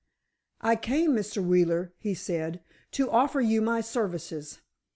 "I came, Mr. Wheeler," he said, "to offer you my services.